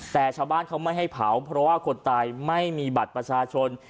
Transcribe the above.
แต่ชาวบ้านเขาไม่ให้เผาเพราะว่าคนตายไม่มีบัตรประชาชน